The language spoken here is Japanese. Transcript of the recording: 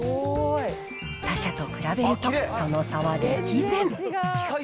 他社と比べると、その差は歴然。